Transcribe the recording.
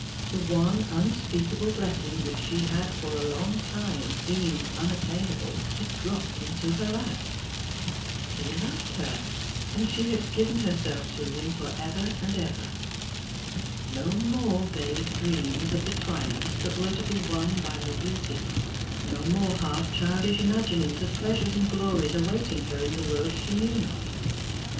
The one unspeakable blessing which she had for a long time deemed unattainable had dropped into her lap. He loved her, and she had given herself to him for ever and ever. No more vague dreams of the triumphs that were to be won by her beauty, no more half childish imaginings of pleasures and glories awaiting her in the world she knew not.